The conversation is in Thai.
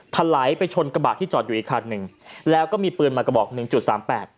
ถลายไปชนกระบะที่จอดอยู่อีกคันหนึ่งแล้วก็มีปืนมากระบอกหนึ่งจุดสามแปด